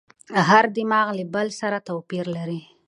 هر دماغ له بل سره توپیر لري.